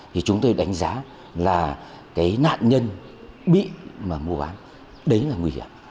thì chúng tôi đánh giá là cái nạn nhân bị mà mua bán đấy là nguy hiểm